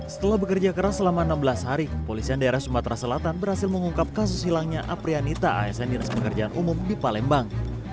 setelah bekerja keras selama enam belas hari kepolisian daerah sumatera selatan berhasil mengungkap kasus hilangnya aprianita asn dinas pekerjaan umum di palembang